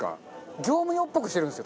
業務用っぽくしてるんですよ